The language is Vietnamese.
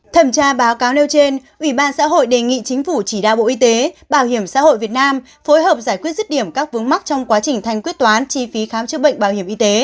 thẩm tra báo cáo nêu trên ủy ban xã hội đề nghị chính phủ chỉ đạo bộ y tế bảo hiểm xã hội việt nam phối hợp giải quyết rứt điểm các vướng mắc trong quá trình thanh quyết toán chi phí khám chữa bệnh bảo hiểm y tế